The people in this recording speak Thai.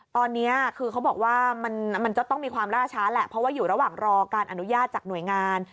ตอนนี้คือเขาบอกว่ามันจะต้องมีความล่าช้าแหละเพราะว่าอยู่ระหว่างรอการอนุญาตจากหน่วยงาน